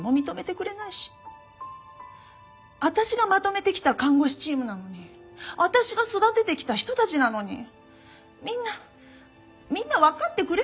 私がまとめてきた看護師チームなのに私が育ててきた人たちなのにみんなみんなわかってくれなくて。